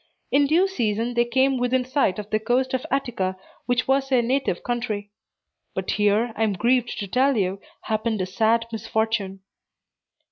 In due season, they came within sight of the coast of Attica, which was their native country. But here, I am grieved to tell you, happened a sad misfortune.